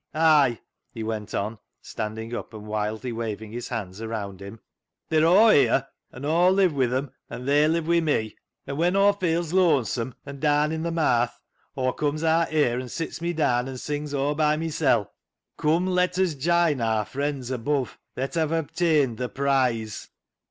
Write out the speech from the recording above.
Ay," he went on, standing up and wildly waving his hands around him, " they're aw here. An' Aw live wi' 'em, an' they live wi' me. An' when Aw feels looan some an' daan i' th' maath. Aw comes aat here an' sits me daan an' sings aw by mysel' —' Come, let us jine our friends above That hev obtained the prize.'